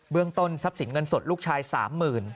เบื้องตนทรัพย์สินเงินสดลูกชายสามหมื่น